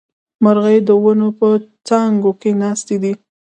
مرغۍ د ونو په څانګو کې ناستې دي